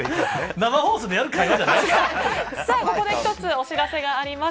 ここで一つお知らせがあります。